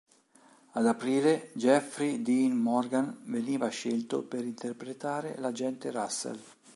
Ad aprile Jeffrey Dean Morgan veniva scelto per interpretare l'Agente Russell.